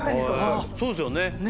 そうですよね。